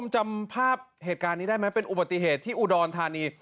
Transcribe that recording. จำภาพเหตุการณ์นี้ได้ไหมเป็นอุบัติเหตุที่อุดรธานี